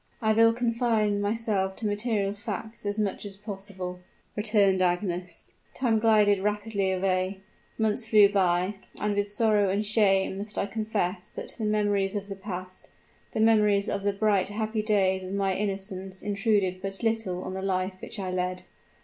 "I will confine myself to material facts as much as possible," returned Agnes. "Time glided rapidly away; months flew by, and with sorrow and shame must I confess that the memories of the past, the memories of the bright, happy days of my innocence intruded but little on the life which I led.